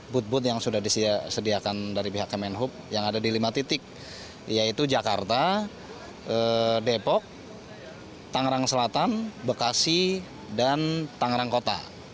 booth booth yang sudah disediakan dari pihak kemenhub yang ada di lima titik yaitu jakarta depok tangerang selatan bekasi dan tangerang kota